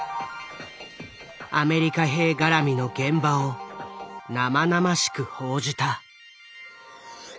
アメリカ兵がらみの現場を生々しく報じた。